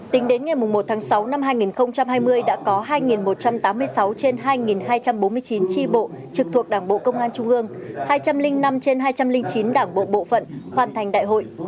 tính đến ngày một tháng sáu năm hai nghìn hai mươi đã có hai một trăm tám mươi sáu trên hai hai trăm bốn mươi chín tri bộ trực thuộc đảng bộ công an trung ương hai trăm linh năm trên hai trăm linh chín đảng bộ bộ phận hoàn thành đại hội